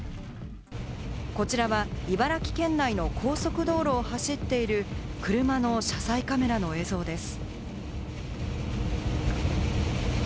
こちらは茨城県内の高速道路を走っている車の車載カメラの映像です。